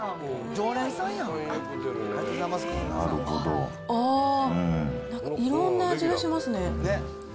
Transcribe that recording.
ああー、なんかいろんな味がしますね。